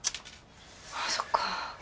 ああそっか。